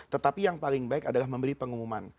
tetapi yang paling baik adalah memberi pengumuman